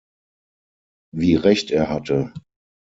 Wie recht er hatte!